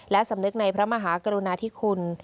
และสำนึกในพระมหากรุณาธิคุณ